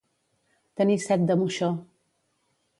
Tenir set de moixó.